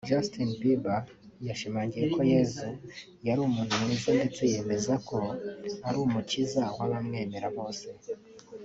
Justin Bieber yashimangiye ko Yezu yari umuntu mwiza ndetse yemeza ko ari umukiza w’abamwemera bose